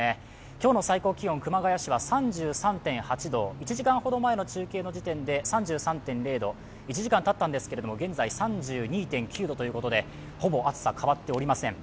今日の最高気温、熊谷市は３３．８度、１時間ほど前の中継の時点で、３３．０度、１時間たったんですけども、３２．９度ということでほぼ暑さ変わっておりません。